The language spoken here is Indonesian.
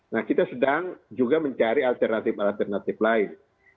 nah kita sedang juga mencari alternatif alternatif lain